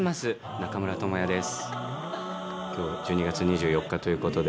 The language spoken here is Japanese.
中村倫也です。